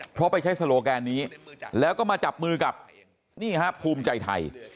เพราะไปใช้โซโลแกนนี้แล้วก็มาจับมือกับนี่ฮะภูมิใจไทย